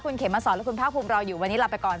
คุณเขมสอนและคุณภาคภูมิรออยู่วันนี้ลาไปก่อน